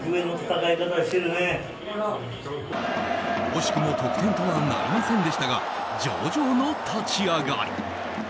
惜しくも得点とはなりませんでしたが上々の立ち上がり。